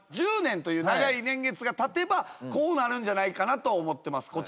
１０年という長い年月がたてばこうなるんじゃないかなと思ってます。